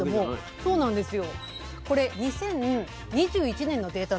そうなんですよね。